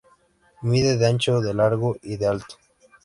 Mide de ancho, de largo y de alto.